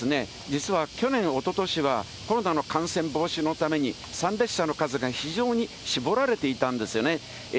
実は去年、おととしは、コロナの感染防止のために、参列者の数が非常に絞られていたんですよね。